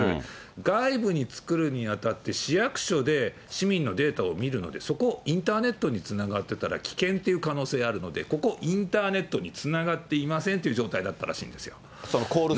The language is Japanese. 外部に作るにあたって、市役所で市民のデータを見るので、そこ、インターネットにつながってたら危険っていう可能性あるので、ここ、インターネットにつながっていませんって状態だったらしいんです